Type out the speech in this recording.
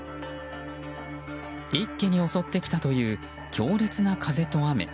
一気に襲ってきたという強烈な風と雨。